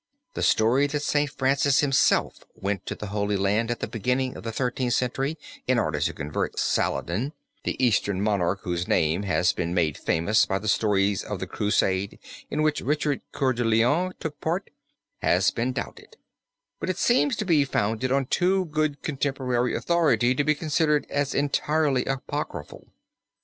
The story that St. Francis himself went to the Holy Land at the beginning of the Thirteenth Century in order to convert Saladin, the Eastern monarch whose name has been made famous by the stories of the Crusade in which Richard Coeur de Lion took part, has been doubted, but it seems to be founded on too good contemporary authority to be considered as entirely apocryphal.